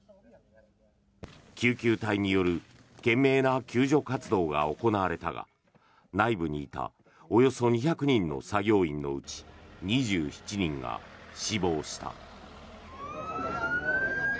救急隊による懸命な救助活動が行われたが内部にいたおよそ２００人の作業員のうち２７人が死亡した。